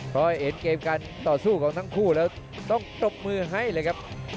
พอเห็นเกมการต่อสู้ของทั้งคู่แล้วต้องตบมือให้เลยครับ